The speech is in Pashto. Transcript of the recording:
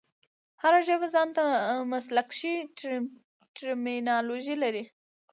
هره ژبه ځان ته مسلکښي ټرمینالوژي لري.